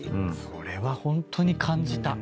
それはホントに感じた。